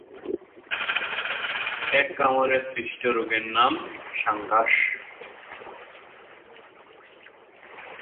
এর কামড়ে সৃষ্ট রোগের নাম ‘সাঙ্গাস’।